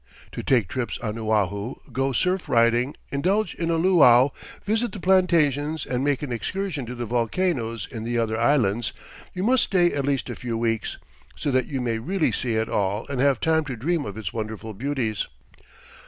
To take trips on Oahu, go surf riding, indulge in a luau, visit the plantations, and make an excursion to the volcanoes in the other islands, you must stay at least a few weeks, so that you may really see it all and have time to dream of its wonderful beauties.